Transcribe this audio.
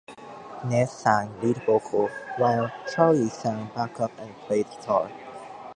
Inez sang lead vocal, while Charlie sang back-up and played guitar.